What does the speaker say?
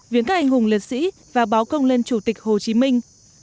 viến các anh hùng liệt sĩ và báo công lên chủ tịch hồ chí minh